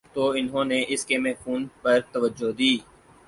تو انہوں نے اس کے مفہوم پر توجہ دی